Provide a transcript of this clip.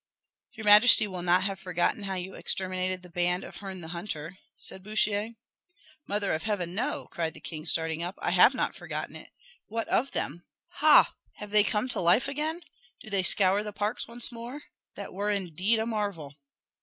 "Your majesty will not have forgotten how you exterminated the band of Herne the Hunter?" said Bouchier. "Mother of Heaven, no!" cried the king, starting up; "I have not forgotten it. What of them? Ha! have they come to life again? do they scour the parks once more? That were indeed a marvel!"